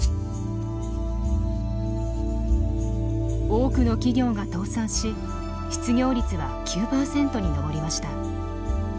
多くの企業が倒産し失業率は９％に上りました。